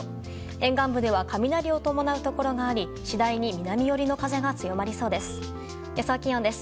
沿岸部では雷を伴うところがあり次第に南寄りの風が強まりそうです。